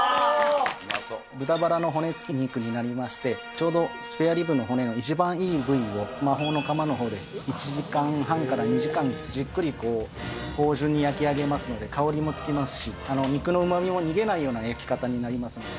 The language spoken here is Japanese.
豚バラの骨付き肉になりまして、ちょうどスペアリブの骨の一番いい部位を、魔法の窯のほうで１時間半から２時間、じっくり芳じゅんに焼き上げますので、香りもつきますし、肉のうまみも逃げないような焼き方になりますので。